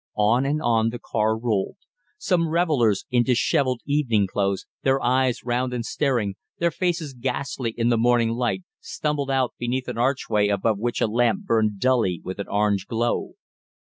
On and on the car rolled. Some revellers in dishevelled evening clothes, their eyes round and staring, their faces ghastly in the morning light, stumbled out beneath an archway above which a lamp burned dully with an orange glow.